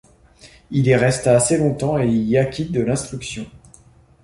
Il y resta assez longtemps et y acquit de l'instruction.